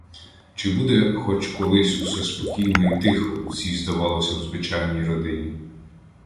Чи буде хоч колись усе спокійно і тихо у цій, здавалося б, звичайній родині?